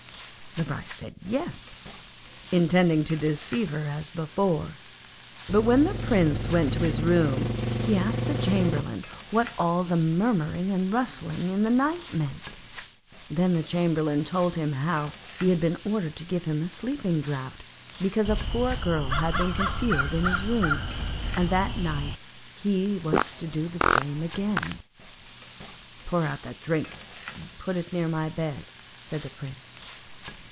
The Bride said 'Yes,' intending to deceive her as before; but when the Prince went to his room he asked the Chamberlain what all the murmuring and rustling in the night meant. Then the Chamberlain told him how he had been ordered to give him a sleeping draught because a poor girl had been concealed in his room, and that night he was to do the same again. 'Pour out the drink, and put it near my bed,' said the Prince.